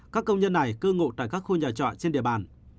các công nhân này cư ngụ tại các khu nhà trọ trên địa bàn